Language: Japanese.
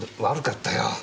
悪かったよ。